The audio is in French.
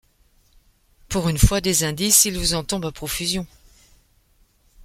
Pour une fois, des indices, il vous en tombe à profusion.